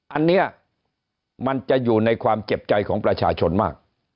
อันนี้มันจะอยู่ในความเจ็บใจของประชาชนมาก